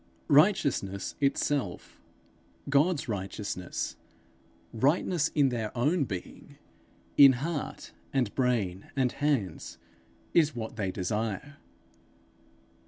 Righteousness itself, God's righteousness, rightness in their own being, in heart and brain and hands, is what they desire.